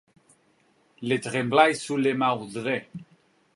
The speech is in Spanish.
Le Tremblay-sur-Mauldre